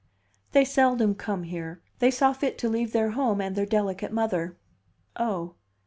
"They seldom come here. They saw fit to leave their home and their delicate mother." "Oh!"